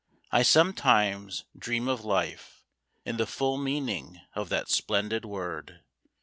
I sometimes dream of Life In the full meaning of that splendid word.